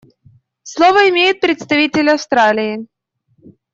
Слово имеет представитель Австралии.